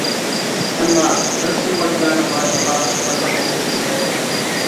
ئەمما بىر قىسىم غالچىلارنىڭ بارلىقىغا ھەقىقەتەن كۆز يۇممايمەن.